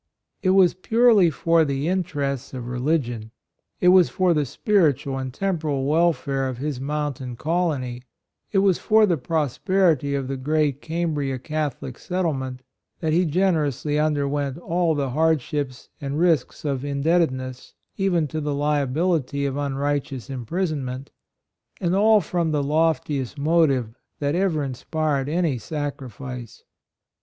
It was purely for the interests of religion — it was for the spiritual and temporal welfare of his moun tain colony — it was for the pros perity of the great Cambria Cath olic settlement that he generously underwent all the hardships and risks of indebtedness even to the liability of unrighteous imprison ment, — and all from the loftiest motive that ever inspired any sacrifice.